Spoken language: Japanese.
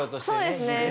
そうですね。